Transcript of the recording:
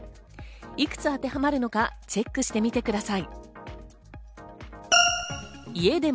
いくつ当てはまるのかチェックしてみてください。